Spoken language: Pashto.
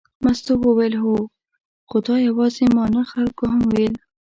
مستو وویل هو، خو دا یوازې ما نه خلکو هم ویل.